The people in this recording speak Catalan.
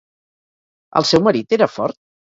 El seu marit era fort?